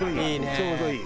ちょうどいい。